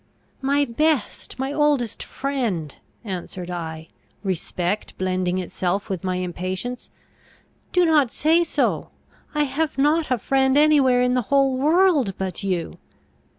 "My best, my oldest friend!" answered I, respect blending itself with my impatience, "do not say so! I have not a friend any where in the whole world but you!